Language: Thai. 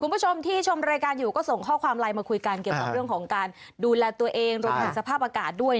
คุณผู้ชมที่ชมรายการอยู่ก็ส่งข้อความไลน์มาคุยกันเกี่ยวกับเรื่องของการดูแลตัวเองรวมถึงสภาพอากาศด้วย